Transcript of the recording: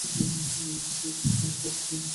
আর তোমার এরকম মনে হওয়ার কারণ জানতে পারি?